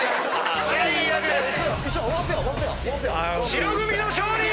白組の勝利！